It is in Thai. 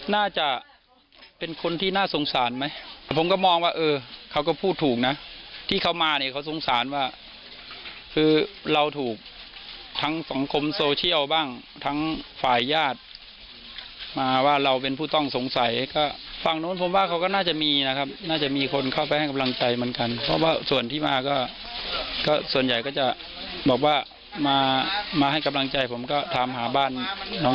น่าจะเป็นคนที่น่าสงสารไหมแต่ผมก็มองว่าเออเขาก็พูดถูกนะที่เขามาเนี่ยเขาสงสารว่าคือเราถูกทั้งสังคมโซเชียลบ้างทั้งฝ่ายญาติมาว่าเราเป็นผู้ต้องสงสัยก็ฝั่งนู้นผมว่าเขาก็น่าจะมีนะครับน่าจะมีคนเข้าไปให้กำลังใจเหมือนกันเพราะว่าส่วนที่มาก็ส่วนใหญ่ก็จะบอกว่ามามาให้กำลังใจผมก็ถามหาบ้านน้อง